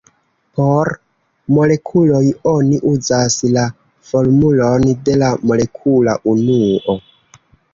Por molekuloj, oni uzas la formulon de la molekula unuo.